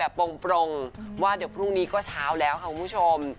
แล้วก็เขียนแคปชั่นแบบปรงว่าเดี๋ยวพรุ่งนี้ก็เช้าแล้วค่ะผู้ชม